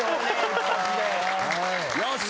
よし。